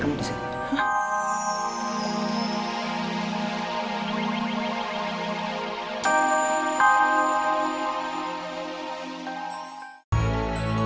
hah dimana bu